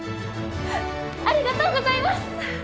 ありがとうございます！